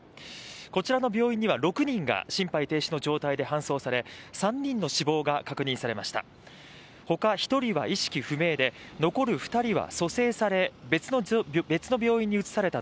こちらの病院には６人が心肺停止の状態が搬送され、３人の死亡が確認されました。